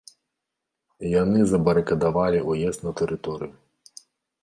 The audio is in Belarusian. Яны забарыкадавалі ўезд на тэрыторыю.